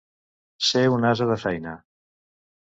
Ser un ase de feina.